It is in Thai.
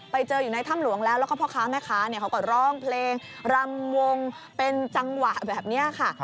ไปเจออยู่ในถ้ำหลวงแล้วแล้วก็พ่อค้าแม่ค้าเขาก็ร้องเพลงรำวงเป็นจังหวะแบบนี้ค่ะ